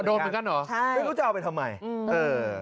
โดนเหมือนกันเหรอใช่ไม่รู้จะเอาไปทำไมอืมเออ